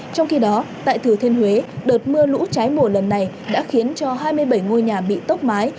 trong khi đó tại thừa thiên huế đợt mưa lũ trái mùa lần này đã khiến cho hai mươi bảy ngôi nhà bị tốc mái